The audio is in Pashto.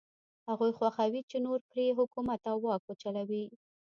هغوی خوښوي چې نور پرې حکومت او واک وچلوي.